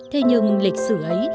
thế nhưng lịch sử ấy